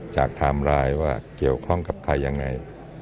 จากทามลายว่าเกี่ยวข้องกับใครยังไง